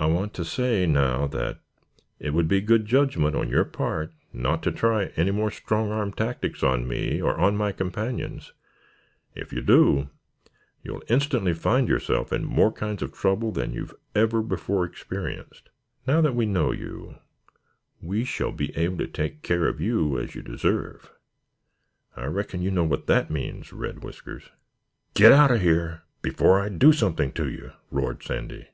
"I want to say, now, that it would be good judgment on your part not to try any more strong arm tactics on me or on my companions. If you do, you will instantly find yourself in more kinds of trouble than you have ever before experienced. Now that we know you, we shall be able to take care of you as you deserve. I reckon you know what that means, Red Whiskers." "Get out of here, before I do something to you!" roared Sandy.